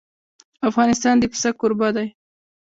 افغانستان د پسه کوربه دی.